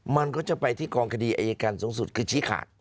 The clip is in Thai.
มันก็จะไปที่กองคดีอายการสูงสุดคือชี้ขาด